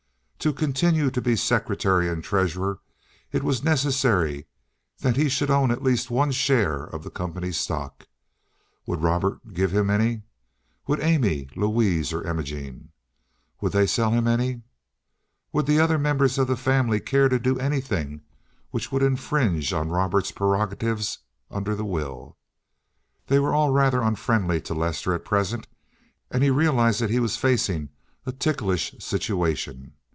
To continue to be secretary and treasurer, it was necessary that he should own at least one share of the company's stock. Would Robert give him any? Would Amy, Louise, or Imogene? Would they sell him any? Would the other members of the family care to do anything which would infringe on Robert's prerogatives under the will? They were all rather unfriendly to Lester at present, and he realized that he was facing a ticklish situation.